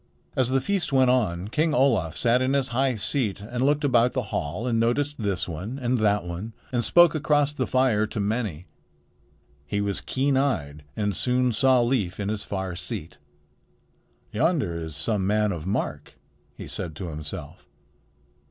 As the feast went on, King Olaf sat in his high seat and looked about the hall and noticed this one and that one and spoke across the fire to many. He was keen eyed and soon saw Leif in his far seat. "Yonder is some man of mark," he said to himself.